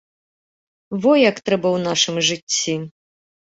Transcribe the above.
Во як трэба ў нашым жыцці!